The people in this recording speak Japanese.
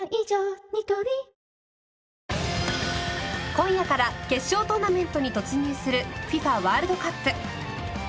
今夜から決勝トーナメントに突入するＦＩＦＡワールドカップ。